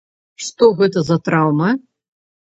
Што гэта за траўма?